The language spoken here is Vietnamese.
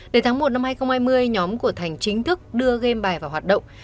để tháng một năm hai nghìn hai mươi nhóm của thành chính thức đưa game bài vào hoạt động